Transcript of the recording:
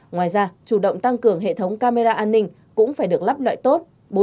ngoài ra chủ động tăng cường hệ thống phòng ngừa tội phạm